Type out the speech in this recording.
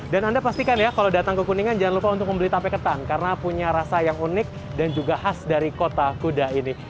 dan anda pastikan ya kalau datang ke kuningan jangan lupa untuk membeli tape ketan karena punya rasa yang unik dan juga khas dari kota kuda ini